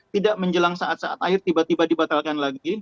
tidak menjelang saat saat air tiba tiba dibatalkan lagi